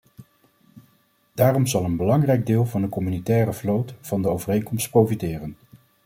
Daarom zal een belangrijk deel van de communautaire vloot van de overeenkomst profiteren.